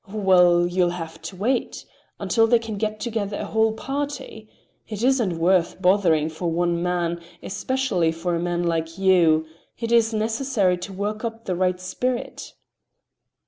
"Well, you'll have to wait—until they can get together a whole party. It isn't worth bothering for one man, especially for a man like you. It is necessary to work up the right spirit."